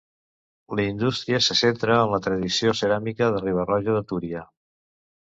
La indústria se centra en la tradició ceràmica de Riba-roja de Túria.